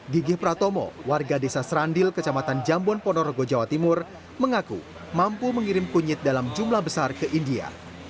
gigih pratomo warga desa serandil kecamatan jambon ponorogo jawa timur mengaku mampu mengirim kunyit dalam jumlah besar ke india